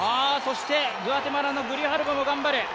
グアテマラのグリハルバも頑張る。